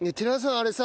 あれさ